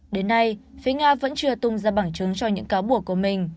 đến nay phía nga vẫn chưa tung ra bằng chứng cho những cáo buộc của mình